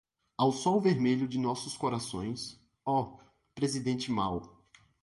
Ao sol vermelho de nossos corações, ó, Presidente Mao